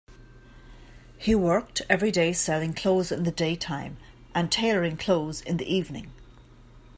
He worked everyday selling clothes in the daytime and tailoring clothes in the evening.